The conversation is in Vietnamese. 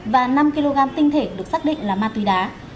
và năm kg tinh thể được xác định là ma túy đá